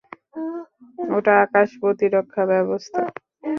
ওটা আকাশ প্রতিরক্ষা ব্যবস্থা।